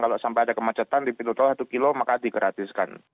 kalau sampai ada kemacetan di pintu tol satu kilo maka digratiskan